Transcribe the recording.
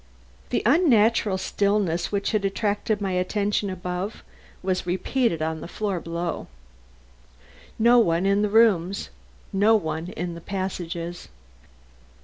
The unnatural stillness which had attracted my attention above was repeated on the floor below. No one in the rooms, no one in the passages.